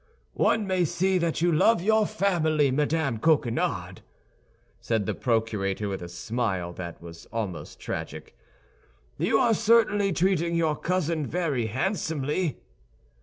"One may see that you love your family, Madame Coquenard," said the procurator, with a smile that was almost tragic. "You are certainly treating your cousin very handsomely!"